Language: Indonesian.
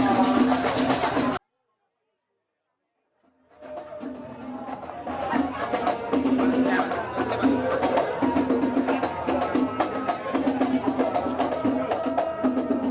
jatian epa jayante